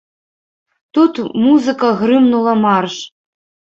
Тут музыка грымнула марш.